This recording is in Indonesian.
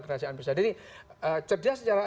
kerasaan besar jadi cerdas secara